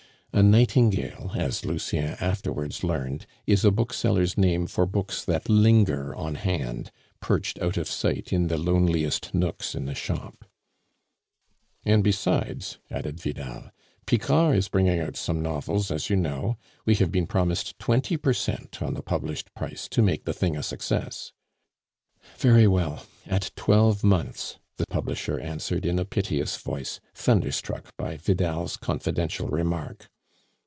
(A "nightingale," as Lucien afterwards learned, is a bookseller's name for books that linger on hand, perched out of sight in the loneliest nooks in the shop.) "And besides," added Vidal, "Picard is bringing out some novels, as you know. We have been promised twenty per cent on the published price to make the thing a success." "Very well, at twelve months," the publisher answered in a piteous voice, thunderstruck by Vidal's confidential remark.